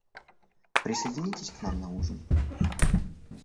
Присоединитесь к нам на ужин?